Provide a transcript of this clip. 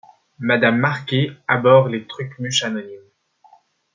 Madame Marquet abhorre les trucsmuches anonymes.